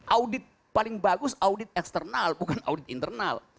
audit paling bagus audit eksternal bukan audit internal